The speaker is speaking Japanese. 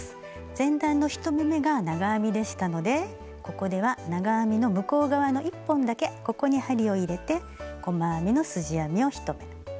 前段の１目めが長編みでしたのでここでは長編みの向こう側の１本だけここに針を入れて細編みのすじ編みを１目。